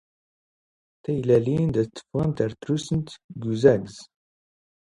ⵜⴰⵢⵍⴰⵍⵉⵏ ⴷⴰ ⵜⵜⴼⴼⵖⵏⵜ ⴰⵔ ⵜⵜⵔⵓⵙⵏⵜ ⴳ ⵓⵙⴰⴳⴳⵯⵣ.